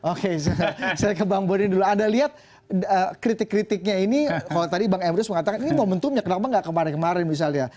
oke saya ke bang boni dulu anda lihat kritik kritiknya ini kalau tadi bang emrus mengatakan ini momentumnya kenapa nggak kemarin kemarin misalnya